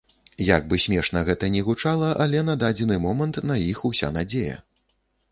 Як бы смешна гэта не гучала, але на дадзены момант на іх уся надзея.